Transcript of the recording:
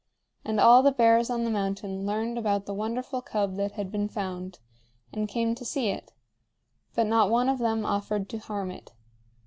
And all the bears on the mountain learned about the wonderful cub that had been found, and came to see it; but not one of them offered to harm it.